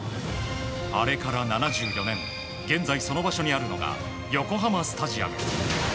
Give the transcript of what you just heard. あれから７４年現在、その場所にあるのが横浜スタジアム。